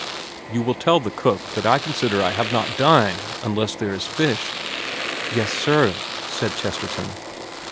' You will tell the cook that I consider I have not dined unless there is fish.' * Yes sir,' said Chesterton.